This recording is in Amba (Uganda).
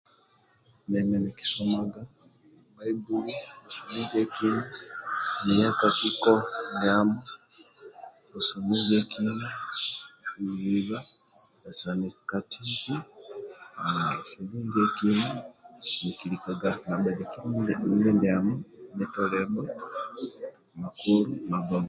Nemi nikisomaga Bbaibuli busmi ndie kina niya ka tiko busumi ndie kina niziba bisisani ka tivi busumi ndie kina nikilikaga na bhaniki ndibhamo nitoliabho makulu mabhonga